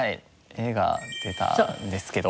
映画出たんですけど。